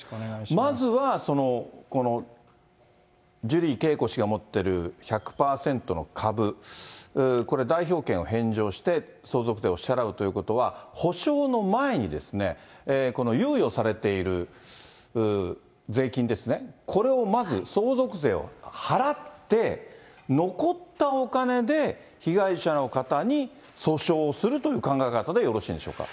まずは、このジュリー景子氏が持ってる１００％の株、これ、代表権を返上して、相続税を支払うということは、補償の前に猶予されている税金ですね、これをまず相続税を払って、残ったお金で被害者の方に、補償をするという考え方でよろしいんでしょうか？